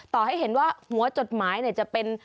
ต่อให้เห็นว่าหัวจดหมายจะเป็น